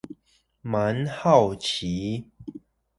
蠻好奇